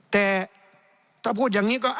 แต่ถ้าพูดอย่างนี้ก็